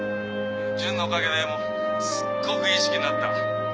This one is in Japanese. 純のおかげでもうすっごくいい式になった。